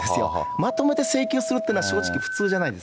まとめて請求するっていうのは、正直、普通じゃないです。